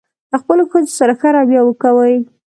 له خپلو ښځو سره ښه راویه وکوئ.